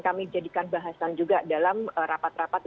kami jadikan bahasan juga dalam rapat rapat